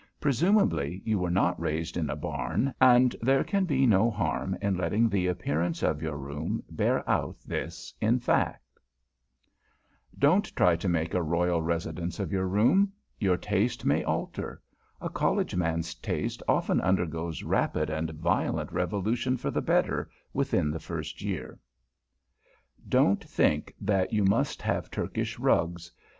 Presumably, you were not raised in a barn, and there can be no harm in letting the appearance of your room bear out this as fact. [Sidenote: FITTING IT UP] Don't try to make a royal residence of your room. Your taste may alter. A College man's taste often undergoes rapid and violent revolution for the better, within the first year. [Sidenote: A WORD ABOUT RUGS] Don't think that you must have Turkish rugs.